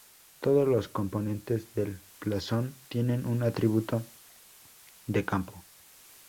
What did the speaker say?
Todos los componentes del blasón tienen un atributo de campo.